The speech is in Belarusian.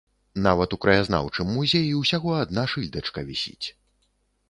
Нават у краязнаўчым музеі ўсяго адна шыльдачка вісіць.